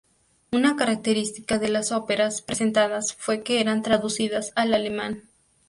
Una característica de las óperas presentadas fue que eran traducidas al alemán.